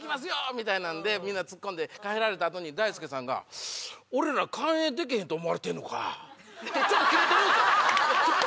みたいなのでみんなツッコんで帰られた後に大輔さんが「俺ら完泳できへんと思われてんのか」ってちょっとキレてるんですよ。